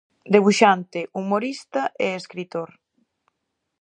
Debuxante, humorista e escritor.